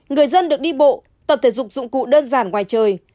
người dân được đi bộ tập thể dục dụng cụ đơn giản ngoài trời